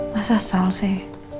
masa salah sih